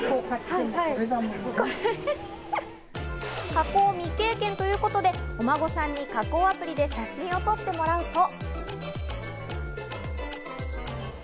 加工未経験ということで、お孫さんに加工アプリで写真を撮ってもらうと。